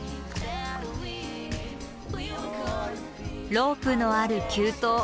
ロープのある急登。